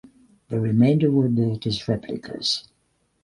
The remainder were built as replicas.